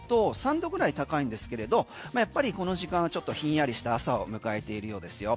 昨日に比べると３度ぐらい高いんですけれどやっぱりこの時間はちょっとひんやりした朝を迎えているようですよ。